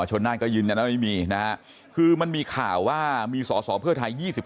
นั่นก็ยืนยันว่าไม่มีนะฮะคือมันมีข่าวว่ามีสอสอเพื่อไทย๒๔